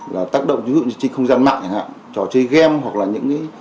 là tác động ví dụ như trên không gian mạng chò chơi game hoặc là những cái